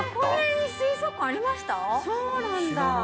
えっそうなんだ